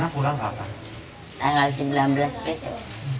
kami juga mencari jalan untuk mencari jalan